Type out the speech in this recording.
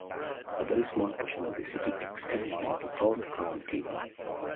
A very small portion of the city extends into Todd County.